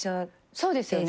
そうですよね。